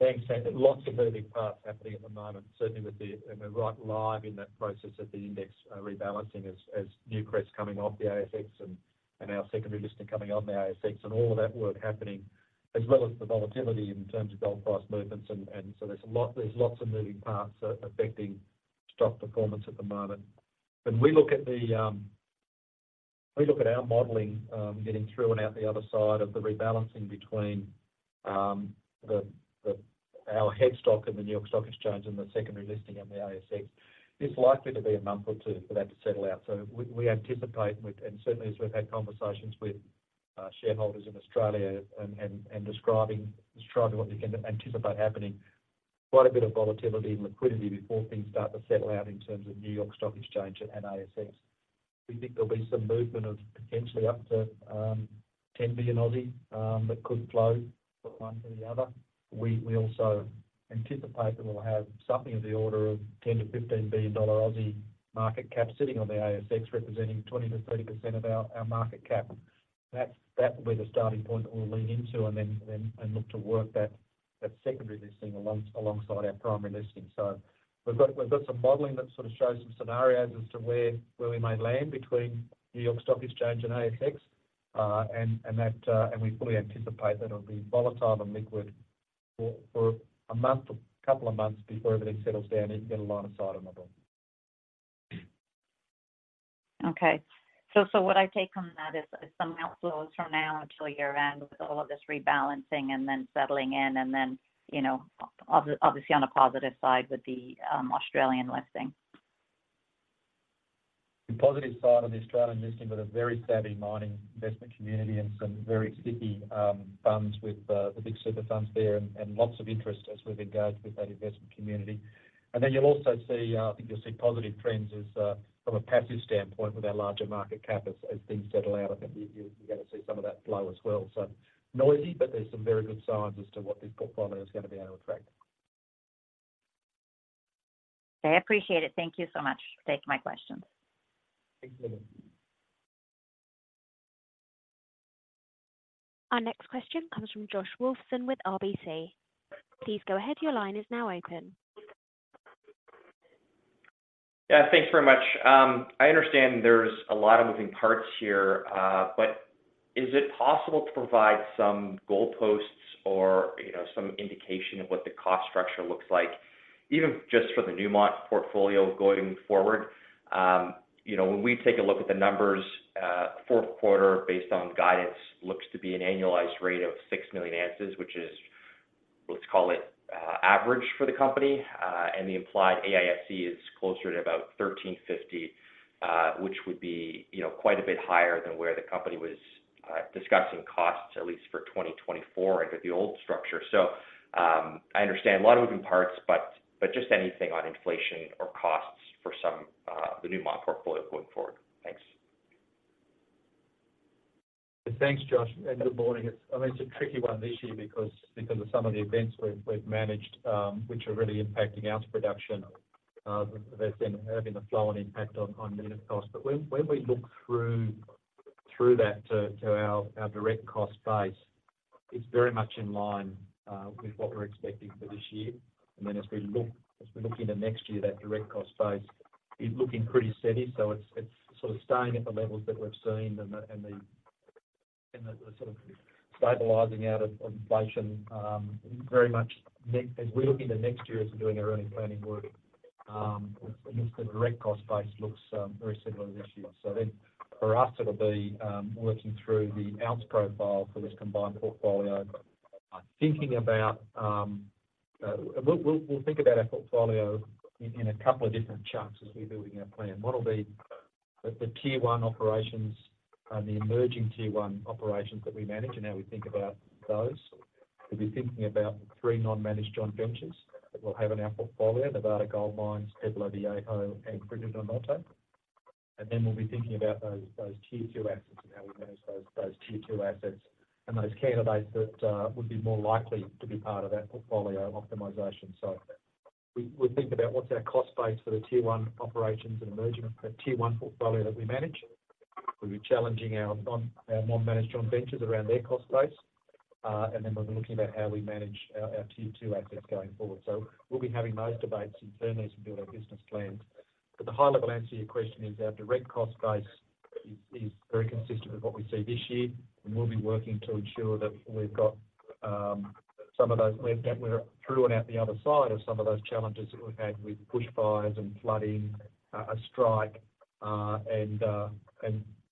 Thanks, Sandra. Lots of moving parts happening at the moment, certainly with the—we're right live in that process of the index rebalancing as Newcrest is coming off the ASX and our secondary listing coming on the ASX and all of that work happening, as well as the volatility in terms of gold price movements. There's lots of moving parts affecting stock performance at the moment. When we look at the—we look at our modeling, getting through and out the other side of the rebalancing between our head stock in the New York Stock Exchange and the secondary listing on the ASX, it's likely to be a month or two for that to settle out. So we anticipate, and certainly as we've had conversations with shareholders in Australia and describing what we can anticipate happening, quite a bit of volatility and liquidity before things start to settle out in terms of New York Stock Exchange and ASX. We think there'll be some movement of potentially up to 10 billion that could flow from one to the other. We also anticipate that we'll have something in the order of 10-15 billion Aussie dollars market cap sitting on the ASX, representing 20%-30% of our market cap. That will be the starting point that we'll lean into, and then and look to work that secondary listing alongside our primary listing. So we've got some modeling that sort of shows some scenarios as to where we may land between New York Stock Exchange and ASX. And we fully anticipate that it'll be volatile and liquid for a month or couple of months before everything settles down and you get a line of sight on the ball. Okay. So what I take from that is some outflows from now until year-end with all of this rebalancing and then settling in, and then, you know, obviously, on a positive side with the Australian listing. The positive side on the Australian listing, we've got a very savvy mining investment community and some very sticky, funds with, the big super funds there and, and lots of interest as we've engaged with that investment community. And then you'll also see, I think you'll see positive trends as, from a passive standpoint with our larger market cap as things settle out, I think you're gonna see some of that flow as well. So noisy, but there's some very good signs as to what this portfolio is going to be able to attract. I appreciate it. Thank you so much for taking my questions. Thanks, Sandra. Our next question comes from Josh Wolfson with RBC. Please go ahead. Your line is now open. Yeah, thanks very much. I understand there's a lot of moving parts here, but is it possible to provide some goalposts or, you know, some indication of what the cost structure looks like, even just for the Newmont portfolio going forward? You know, when we take a look at the numbers, fourth quarter, based on guidance, looks to be an annualized rate of 6 million ounces, which is, let's call it, average for the company. And the implied AISC is closer to about $1,350, which would be, you know, quite a bit higher than where the company was, discussing costs, at least for 2024 under the old structure. So, I understand a lot of moving parts, but just anything on inflation or costs for some, the Newmont portfolio going forward. Thanks. Thanks, Josh, and good morning. I mean, it's a tricky one this year because, because of some of the events we've managed, which are really impacting ounce production, that's been having a flow on impact on unit cost. When we look through that to our direct cost base, it's very much in line with what we're expecting for this year. As we look into next year, that direct cost base is looking pretty steady. It's sort of staying at the levels that we've seen and the sort of stabilizing out of inflation, very much as we look into next year as we're doing our early planning work, the direct cost base looks very similar to this year. For us, it'll be working through the ounce profile for this combined portfolio. Thinking about, we'll think about our portfolio in a couple of different chunks as we're building our plan. One will be the Tier 1 operations and the emerging Tier 1 operations that we manage, and how we think about those. We'll be thinking about the three non-managed joint ventures that we'll have in our portfolio, Nevada Gold Mines, Pueblo Viejo, and Fruta del Norte. Then we'll be thinking about those Tier 2 assets and how we manage those Tier 2 assets and those candidates that would be more likely to be part of that portfolio optimization. We think about what's our cost base for the Tier 1 operations and emerging Tier 1 portfolio that we manage. We'll be challenging our non-managed joint ventures around their cost base. And then we'll be looking at how we manage our Tier 2 assets going forward. So we'll be having those debates internally as we build our business plans. But the high level answer to your question is our direct cost base is very consistent with what we see this year, and we'll be working to ensure that we've got some of those-- that we're through and out the other side of some of those challenges that we've had with bushfires and flooding, a strike, and,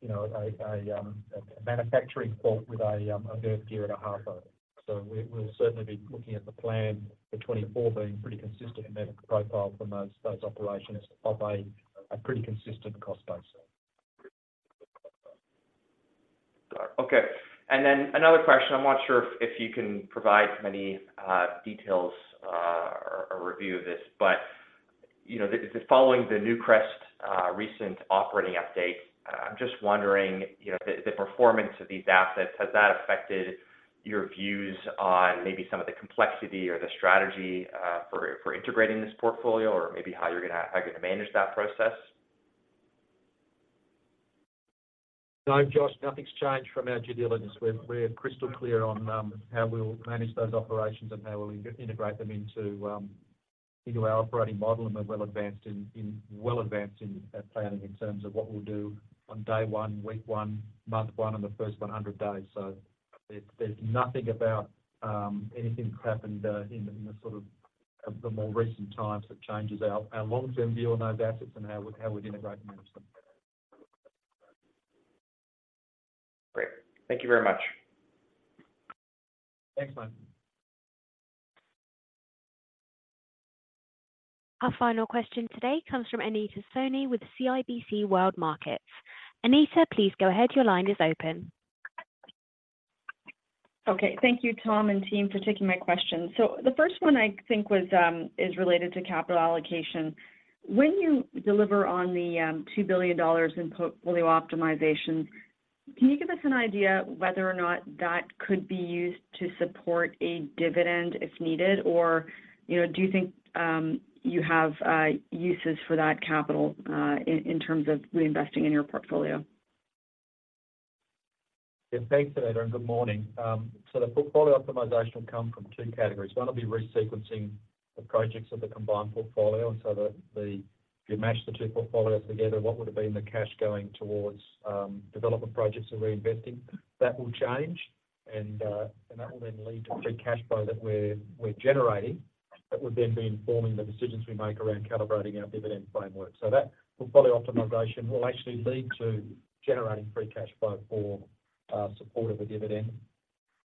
you know, a manufacturing fault with a girth gear at Ahafo. So we, we'll certainly be looking at the plan for 2024 being pretty consistent in that profile for most of those operations of a pretty consistent cost base.... Okay, and then another question, I'm not sure if you can provide many details or review of this, but you know, the following the Newcrest recent operating update, I'm just wondering, you know, the performance of these assets, has that affected your views on maybe some of the complexity or the strategy for integrating this portfolio or maybe how you're gonna manage that process? No, Josh, nothing's changed from our due diligence. We're crystal clear on how we'll manage those operations and how we'll integrate them into our operating model, and we're well advanced in planning in terms of what we'll do on day 1, week 1, month 1, and the first 100 days. So there's nothing about anything that happened in the sort of the more recent times that changes our long-term view on those assets and how we'd integrate and manage them. Great. Thank you very much. Thanks, man. Our final question today comes from Anita Soni with CIBC World Markets. Anita, please go ahead. Your line is open. Okay. Thank you, Tom and team, for taking my question. So the first one I think was, is related to capital allocation. When you deliver on the, $2 billion in portfolio optimization, can you give us an idea whether or not that could be used to support a dividend if needed? Or, you know, do you think, you have, uses for that capital, in terms of reinvesting in your portfolio? Yeah, thanks, Anita, and good morning. So the portfolio optimization will come from two categories. One will be resequencing the projects of the combined portfolio, and so the... If you mash the two portfolios together, what would have been the cash going towards development projects and reinvesting, that will change, and that will then lead to free cash flow that we're generating. That would then be informing the decisions we make around calibrating our dividend framework. So that portfolio optimization will actually lead to generating free cash flow for support of a dividend.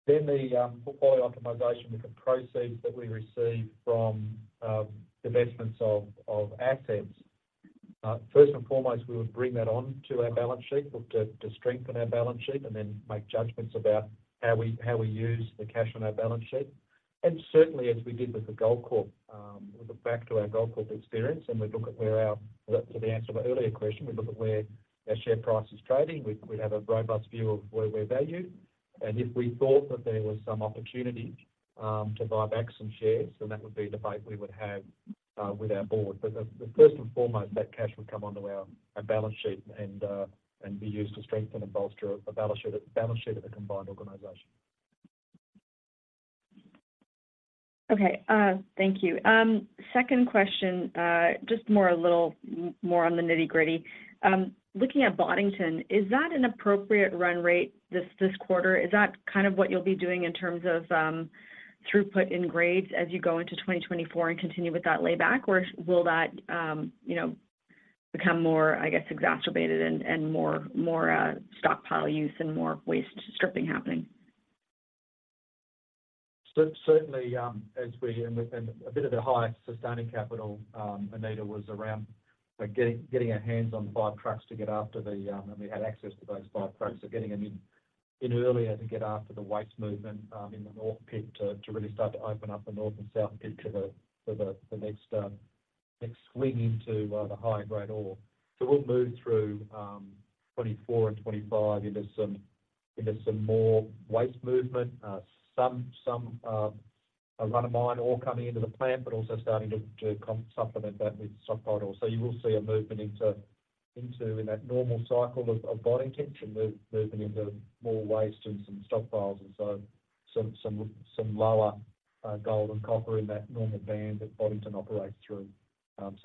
Then the portfolio optimization with the proceeds that we receive from divestments of assets. First and foremost, we would bring that on to our balance sheet, look to strengthen our balance sheet, and then make judgments about how we use the cash on our balance sheet. And certainly, as we did with the Goldcorp, we look back to our Goldcorp experience, and we look at where—to the answer of an earlier question, we look at where our share price is trading. We'd have a robust view of where we're valued, and if we thought that there was some opportunity to buy back some shares, then that would be a debate we would have with our board. But the first and foremost, that cash would come onto our balance sheet and be used to strengthen and bolster a balance sheet of the combined organization. Okay, thank you. Second question, just more a little more on the nitty-gritty. Looking at Boddington, is that an appropriate run rate this, this quarter? Is that kind of what you'll be doing in terms of, throughput in grades as you go into 2024 and continue with that layback, or will that, you know, become more, I guess, exacerbated and more stockpile use and more waste stripping happening? Certainly, as we... And a bit of the high sustaining capital, Anita, was around, like getting our hands on the 5 trucks to get after the, and we had access to those 5 trucks. Getting them in earlier to get after the waste movement in the north pit to really start to open up the north and south pit to the next, next swing into the high-grade ore. We'll move through 2024 and 2025 into some more waste movement, some run of mine ore coming into the plant, but also starting to supplement that with stockpile. So you will see a movement into that normal cycle of Boddington moving into more waste and some stockpiles and so some lower gold and copper in that normal band that Boddington operates through.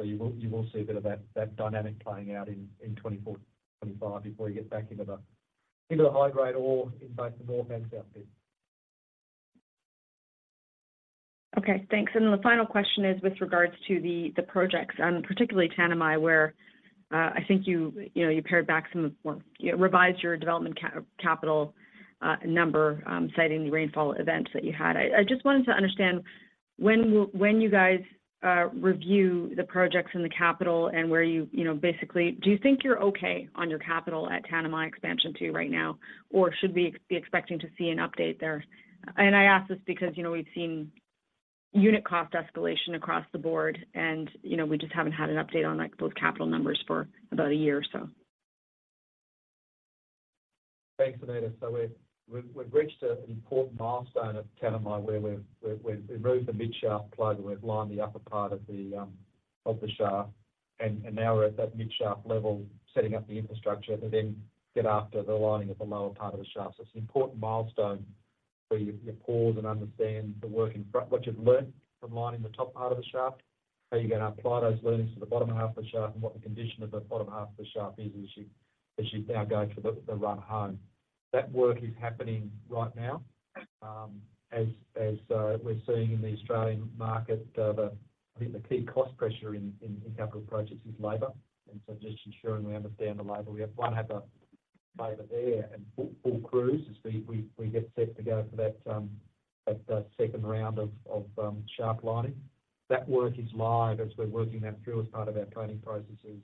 You will see a bit of that dynamic playing out in 2024, 2025 before you get back into the high-grade ore in both the north and south pit. Okay, thanks. And then the final question is with regards to the projects, particularly Tanami, where I think you know you pared back some of, well, you revised your development capital number, citing the rainfall events that you had. I just wanted to understand, when will you guys review the projects and the capital and where you know basically, do you think you're okay on your capital at Tanami Expansion Two right now, or should we be expecting to see an update there? And I ask this because you know we've seen unit cost escalation across the board, and you know we just haven't had an update on, like, those capital numbers for about a year or so. Thanks, Anita. So we've reached an important milestone at Tanami, where we've removed the mid-shaft plug, and we've lined the upper part of the shaft, and now we're at that mid-shaft level, setting up the infrastructure to then get after the lining of the lower part of the shaft. So it's an important milestone where you pause and understand the work in front, what you've learned from lining the top part of the shaft, how you're gonna apply those learnings to the bottom half of the shaft, and what the condition of the bottom half of the shaft is as you now go to the run home. That work is happening right now. As we're seeing in the Australian market, I think the key cost pressure in capital projects is labor, and so just ensuring we understand the labor. We have to have the labor there and full crews as we get set to go for that second round of shaft lining. That work is live as we're working that through as part of our planning processes,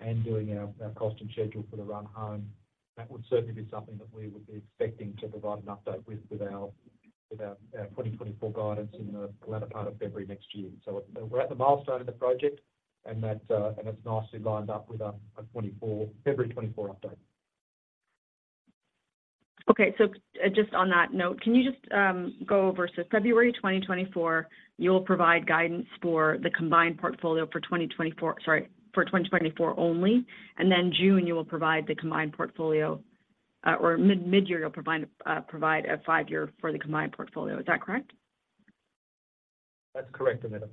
and doing our cost and schedule for the run home. That would certainly be something that we would be expecting to provide an update with our 2024 guidance in the latter part of February next year. So we're at the milestone of the project, and that's nicely lined up with our 2024, February 2024 update. Okay, so just on that note, can you just go over? So February 2024, you'll provide guidance for the combined portfolio for 2024—sorry, for 2024 only, and then June, you will provide the combined portfolio, or mid, mid-year, you'll provide a five-year for the combined portfolio. Is that correct? That's correct, Anita.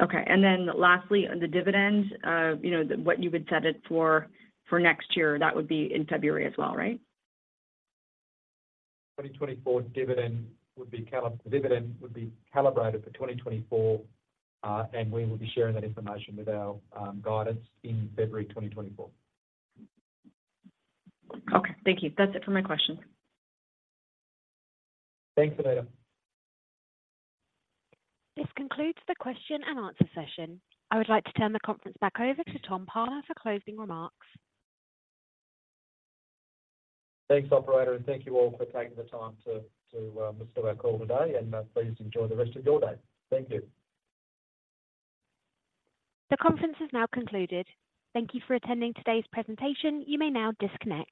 Okay, and then lastly, on the dividend, you know, the what you would set it for, for next year, that would be in February as well, right? 2024 dividend would be calibrated for 2024, and we will be sharing that information with our guidance in February 2024. Okay, thank you. That's it for my questions. Thanks, Anita. This concludes the question and answer session. I would like to turn the conference back over to Tom Palmer for closing remarks. Thanks, operator, and thank you all for taking the time to listen to our call today, and please enjoy the rest of your day. Thank you. The conference is now concluded. Thank you for attending today's presentation. You may now disconnect.